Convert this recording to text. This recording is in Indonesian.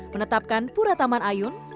menetapkan pura taman ayun